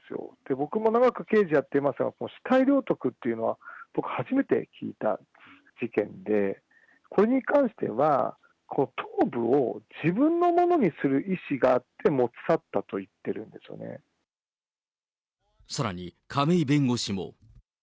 僕も長く刑事やっていますが、この死体領得っていうのは、僕、初めて聞いた事件で、これに関しては、頭部を自分のものにする意思があって持ち去ったと言っているんでさらに、亀井弁護士も。